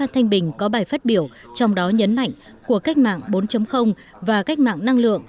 thanh bình có bài phát biểu trong đó nhấn mạnh của cách mạng bốn và cách mạng năng lượng